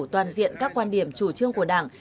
toàn diện các quan điểm chủ trương của đảng